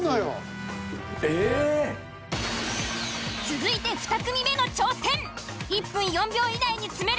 続いて２組目の挑戦。